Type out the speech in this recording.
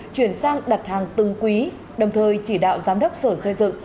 chuyển sang đặt hàng từng quý đồng thời chỉ đạo giám đốc sở xây dựng